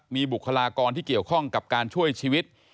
มีบุคลากรที่เกี่ยวข้องกับการช่วยชีวิต